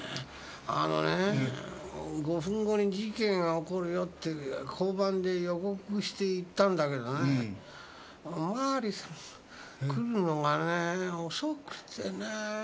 あのね５分後に事件が起こるよって交番で予告して行ったんだけどねおまわりさんが来るのがね遅くてね。